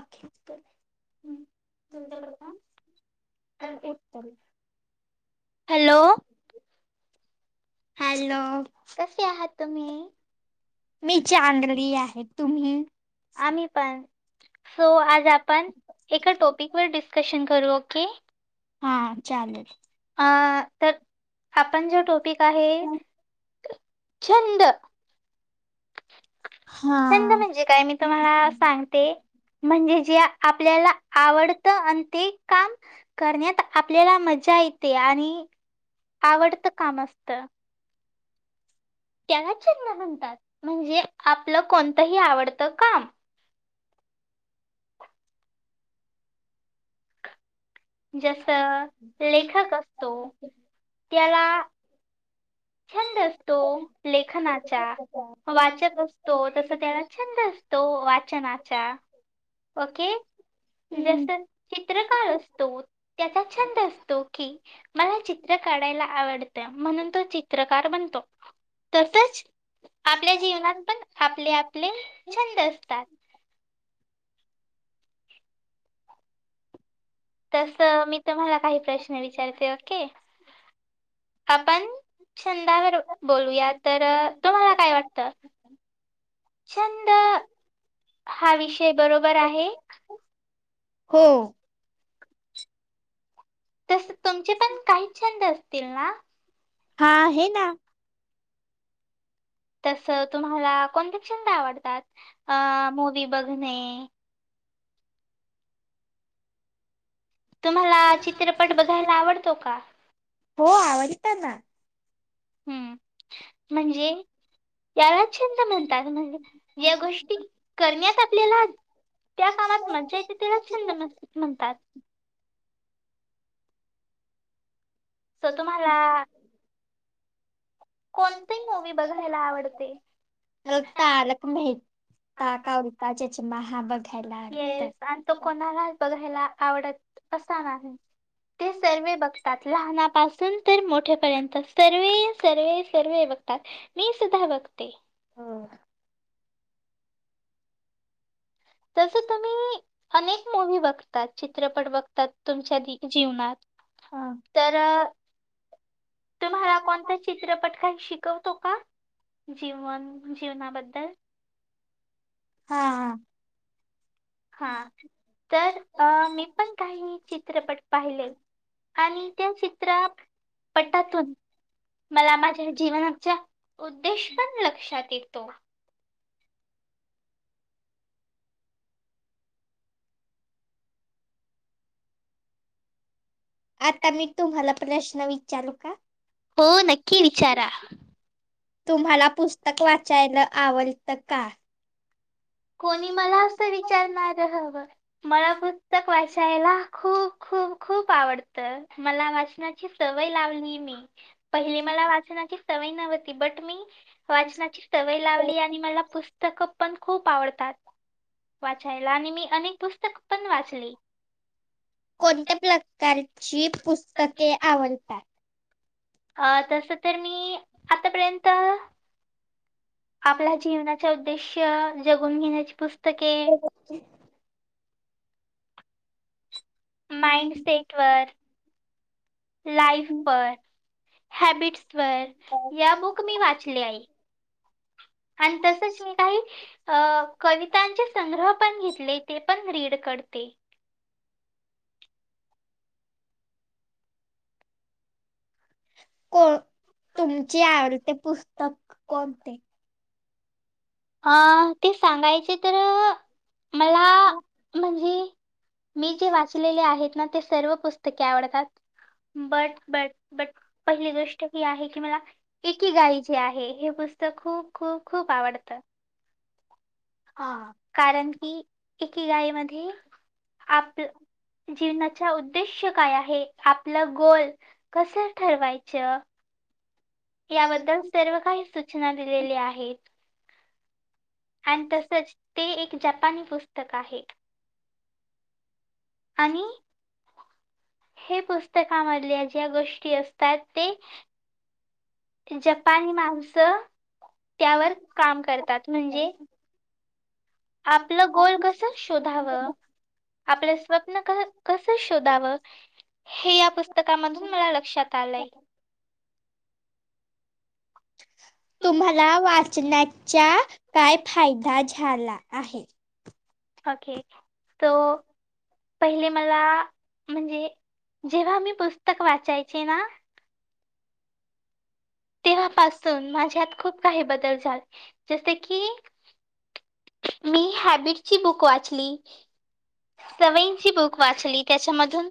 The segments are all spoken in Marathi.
आखेच कर हम्म तुमच्या कडे पण हॅलो हॅलो हॅलो, कसे आहात तुम्ही मी चांगली आहेत. तुम्ही आम्ही पण. सो आज आपण एका टॉपिकवर डिस्कशन करू ओके. हा चालेल. अ तर आपण जो टॉपिक आहे छंद छंद म्हणजे काय मी तुम्हाला सांग ते म्हणजे जे आपल्याला आवडत आणि ते काम करण्यात आपल्याला मजा येते. आणि आवडत काम असत. त त्याला छंद म्हणतात. म्हणजे आपल कोणतही आवडत काम. जस लेखक असतो, त्याला छंद असतो लेखनाचा. वाचक असतो तस त्याला छंद असतो वाचनाचा. ओके जस चित्रकार असतो. त्याचा छंद असतो की, मला चित्र काढायला आवडतं, म्हणून तो चित्रकार बनतो. तसच आपल्या जीवनात पण आपले आपले छंद असतात. तस मी तुम्हाला काही प्रश्न विचारते ओके आपण- छंदावर बोलूया तर तुम्हाला काय वाटतं? छंद हा विषय बरोबर आहे? हो तस तुमचे पण काही छंद असतील ना? हा आहे ना. तसं तुम्हाला कोणते छंद आवडतात अ मूवी बघणे? तुम्हाला चित्रपट बघायला आवडतो का? हो आवडतात ना. हम्म म्हणजे. याला छंद म्हणतात, म्हणजे या गोष्टी करण्यात आपल्याला- त्या कामात मज्जा येते त्याला छंद नस म्हणतात. सो तुम्हाला- कोणती मूवी बघायला आवडते? मला तारक मेहता का उल्टा चच्मा हा बघ- येस आणि तो कोणालाच बघायला आवडत असा ना. ते सर्व बघ- घतात लहानापासून तर मोठेपर्यंत सर्वे सर्वे सर्वे बघतात. मी सुद्धा बघते. हा त तसं ते [inaudible] तुम्ही अनेक मूवी बघतात चित्रपट बघतात तुमच्या जीवनात- अ तर तुम्हाला कोणता चित्रपट काही शिकवतो का? जीवन जीवनाबद्दल, हा हा हा तर मी पण- काही चित्रपट पाहिले आणि त्या चित्रपटातून- मला माझ्या जीवनाच्या उद्देश पण लक्षात येतो. आता मी तुम्हाला प्रश्न विचारू का? हो नक्की विचारा. तुम्हाला पुस्तक वाचायला आवडतं का? कोणी मला असं विचारणार हवं, मला पुस्तक वाचायला- खूप खूप खूप आवडतं मला वाचनाची सवय लावली मी. पहिली मला वाचनाची सवय नव्हती, बट मी वाचनाची सवय लावली आणि मला पुस्त- पुस्तक पन खूप आवडतात. वाचायला आणि मी अनेक पुस्तक पण वाचली. कोणत्या प्रकारची पुस्तके आवडतात? अ तस तर मी आतापर्यंत- आपल्या जीवनाच्या उद्देश्य जगून घेहण्याची पुस्तके- ह [inaudible] माइंडसेट वर, लाईफ पर हॅबिट्स वर या बुक मी वाचले आहे आणि तसच मी काही अ कवितांचे संग्रह पण घेतलेत ते पण रीड करते को तुमची आवडते पुस्तक कोणते अ ते सांगायचे तर मला म्हणजे मी जे वाचलेले आहेत ना ते सर्व पु स्तके काय आवडतात बट बट बट पहिली गोष्ट ही आहे की मला एकी गाईचे आहे हे पुस्तक खूप खूप खूप आवडतं हा कारण की एकी गाईमध्ये आप जीवनाच्या उ उद्देश्य काय आहे आपलं गोल कसं ठरवायचं याबद्दल सर्व काही सूचना दिलेली आहेत आणि तसच ते एक जपानी पुस्तक आहे आणि हे पुस्तकामधल्या ज्या गोष्टी असतात ते जपानी माणसं त्यावर काम करतात म्हणजे आपलं गोल कसं शोधावं आपलं स्वप्न क कस शोधावं हे या पुस्तकामधून मला लक्षात आलयं तुम्हाला वाचण्याचा काय फायदा झाला आहे ओके तो पहिले मला म्हणजे जेव्हा मी पुस्तक वाचायचे ना तेव्हापासून माझ्यात खूप काही बदल झाल जसे की मी हॅबिटची बुक वाचली सवयींची बुक वाचली त्याच्यामधून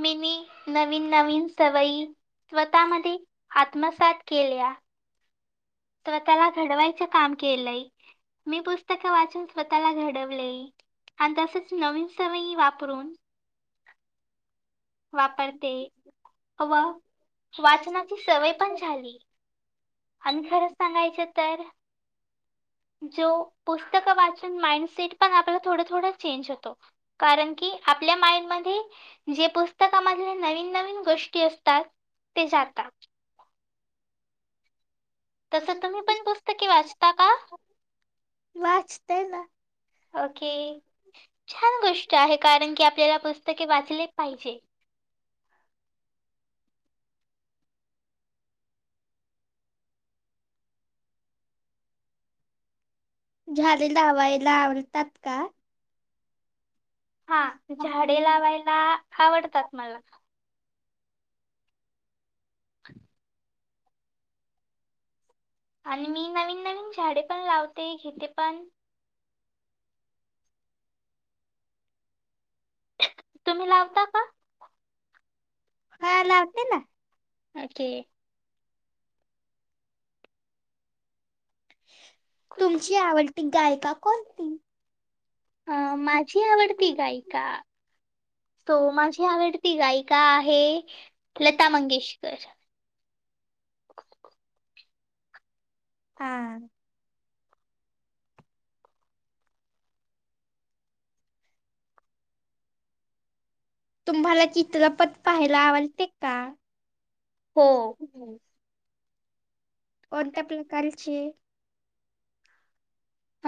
मीनी नवीन नवीन सवयी स्वतःमध्ये आत्मसात केल्या स्वतःला घडवायचं काम केलंय मी पुस्तक वाचून स्वतःला घडवलयं हा तसचं नवीन सवयी वापरून वापरते व वाचनाची सवय पण झाली आणि खरंच सांगायच तर जो पुस्तकं वाचून माइंडसेट पण आपला थोडं थोडं चेंज होतो कारण की आपल्या माइंड मध्ये जे पुस्तकामध्ये नवीन नवीन गोष्टी असतात ते जाता तसं तुम्ही पण [unintelligible] पुस्तके वाचता का [inaudible] अच ते ना ओके छान गोष्ट आहे कारण की आपल्याला पुस्तके वाचलेचं पाहिजे झाडे लावायला आवडतात का हा झाडे लावायला आवडतात मला [inaudible] आणि मी नवीन नवीन झाडे पण लावते घेते पण तुम्ही लावता [inaudible] का हा लावते ना ओके तुमची आवडती गायिका कोणती अ माझी आवडती गायिका तो माझी आवड ती गायिका आहे लता मंगेशकर. [inaudible] हा तुम्हाला चित्रपट पाहायला आवडते का? हो कोणत्या प्रकारची?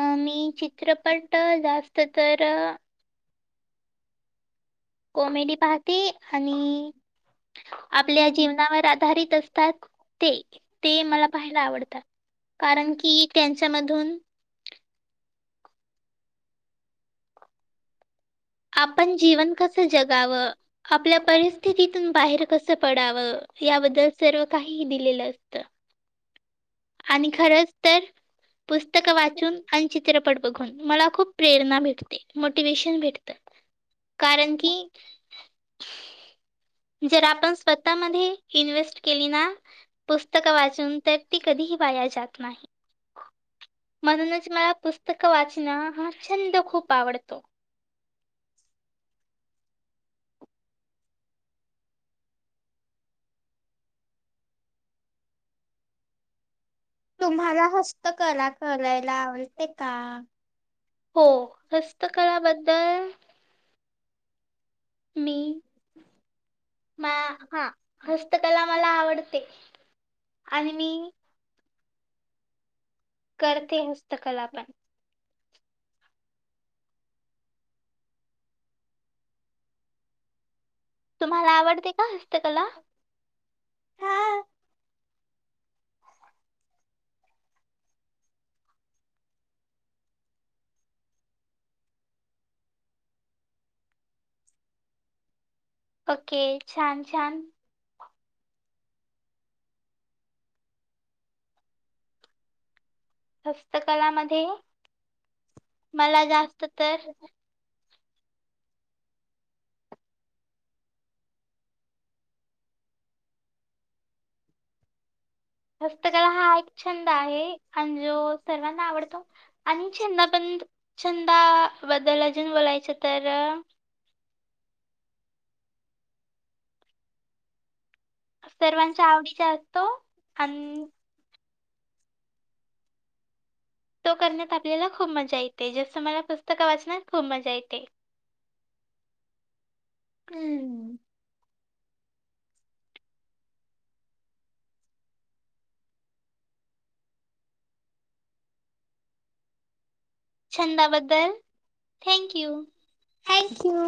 अ मी चित्रपट जास्त तर कॉमेडी पाहते आणि आपल्या जीवनावर आधारित असतात ते ते मला पाहायला आवडतात. कारण की त्यांच्यामधून आपण जीवन कसं जगावं आपल्या परिस्थितीतून बाहेर कसं पडावं याबद्दल सर्व काहीही दिलेलं असतं. आणि खरंच तर पुस्तकं वाचून आणि चित्रपट बघून मला खूप प्रेरणा भेटते. मोटिवेशन भेटतं कारण की जर आपण स्वतःमध्ये इन्व्हेस्ट केली ना पुस्तकं वाचून तर ते कधीही वाया जात नाही. म्हणूनच मला पुस्तक वाचण हा छंद खूप आवडतो. तुम्हाला हस्तकला करायला आवडते का? हो हस्तकला बद्दल हम्म मग हा हस्तकला मला आवडते आणि मी करते हस्तकला पण. तुम्हाला आवडते का हस्तकला? हा ओके छान छान. हस्तकलामध्ये मला जास्त तर हस्तकला हा एक छंद आहे आणि जो सर्वांना आवडतो. आणि छंद बंद छंदा बदल अजून बोलायचं तर सर्वांचा आवडीचा असतो आणि तो करण्यात आपल्याला खूप मजा येते जसं मला पुस्तक वाचण्यात खूप मजा येते. हम्म छंदाबद्दल थँक यू. Thank you.